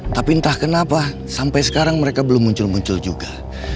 tapi entah kenapa sampai sekarang mereka belum muncul muncul juga